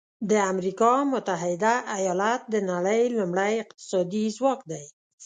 د امریکا متحده ایالات د نړۍ لومړی اقتصادي ځواک دی.